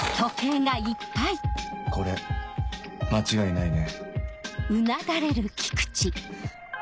これ間違いないね？